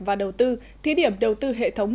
và đầu tư thí điểm đầu tư hệ thống